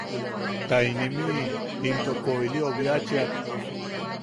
Ta inimiʼi intoko ili obiachiak.